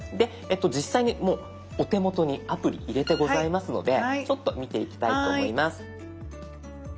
実際にもうお手元にアプリ入れてございますのでちょっと見ていきたいと思います。